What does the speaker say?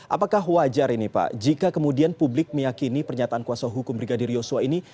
apakah wajar ini pak jika kemudian publik meyakini pernyataan kuasa hukum brigadir yosua ini